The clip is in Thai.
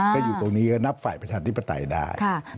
ก็อยู่ตรงนี้ก็นับฝ่ายประชาธิปไตยได้